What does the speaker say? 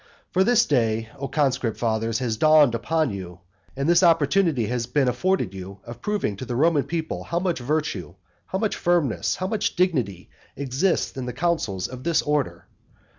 For this day, O conscript fathers, has dawned upon you, and this opportunity has been afforded you of proving to the Roman people how much virtue, how much firmness and how much dignity exists in the counsels of this order.